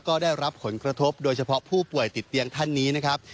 ก็ได้รับผลกระทบโดยเฉพาะผู้ป่วยติดเตียงท่านนี้นะครับ